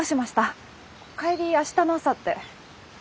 帰り明日の朝って。